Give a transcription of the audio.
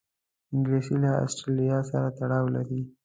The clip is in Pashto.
انګلیسي له آسټرالیا سره تړاو لري